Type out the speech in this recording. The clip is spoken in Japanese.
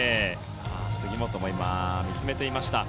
杉本も今、見つめていました。